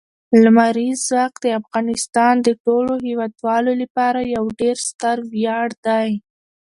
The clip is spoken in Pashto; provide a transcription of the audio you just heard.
لمریز ځواک د افغانستان د ټولو هیوادوالو لپاره یو ډېر ستر ویاړ دی.